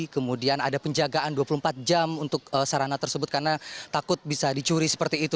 kemudian ada penjagaan dua puluh empat jam untuk sarana tersebut karena takut bisa dicuri seperti itu